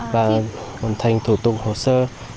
và hoàn thành thủ tục hồ sơ